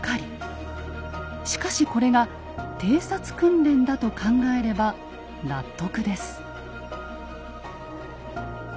しかしこれが偵察訓練だと考えれば納得です。